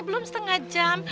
belum setengah jam